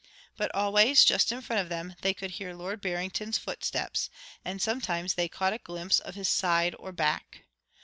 But always, just in front of them, they could hear Lord Barrington's footsteps, and sometimes they caught a glimpse of his side or back.